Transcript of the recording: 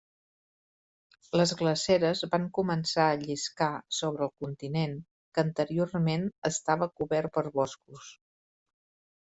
Les glaceres van començar a lliscar sobre el continent que anteriorment estava cobert per boscos.